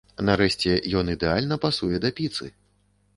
Нарэшце, ён ідэальна пасуе да піцы.